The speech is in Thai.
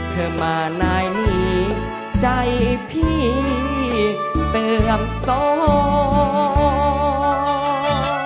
เธอมาในใจพี่เตือมสอง